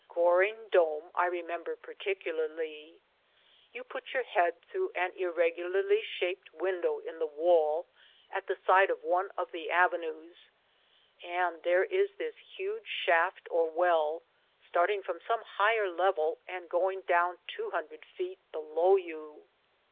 Goring Dome I remember particularly. You put your head through an irregularly shaped window in the wall at the side of one of the avenues, and there is this huge shaft or well, starting from some higher level and going down two hundred feet below you.